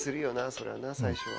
それはな最初は。